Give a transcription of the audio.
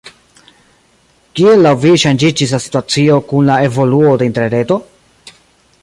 Kiel laŭ vi ŝanĝiĝis la situacio kun la evoluo de interreto?